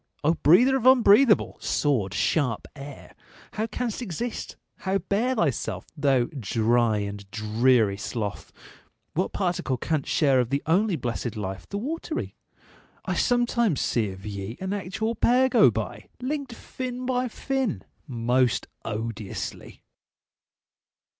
O breather of unbreathable, sword sharp air, How canst exist? How bear thyself, thou dry And dreary sloth? What particle canst share Of the only blessed life, the watery? I sometimes see of ye an actual pair Go by! linked fin by fin! most odiously.